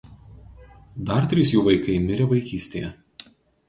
Dar trys jų vaikai mirė vaikystėje.